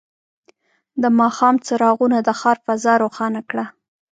د ماښام څراغونه د ښار فضا روښانه کړه.